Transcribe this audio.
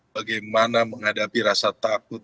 bagaimana menghadapi rasa takut